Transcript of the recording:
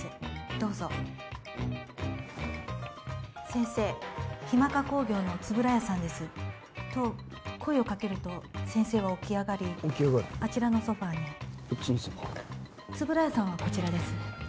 どうぞ先生ヒマカ工業の円谷さんですと声をかけると先生は起き上がり起き上がるあちらのソファーにこっちのソファー円谷さんはこちらです